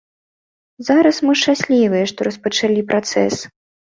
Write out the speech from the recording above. Зараз мы шчаслівыя, што распачалі працэс.